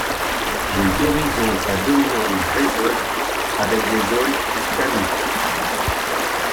Des horizons à dominante gréseuse avec des zones de phtanites.